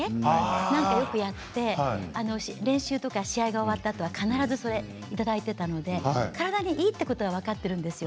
何かよくやって練習とか試合が終わったあとは必ずそれ、いただいていたので体にいいということは分かっているんですよ。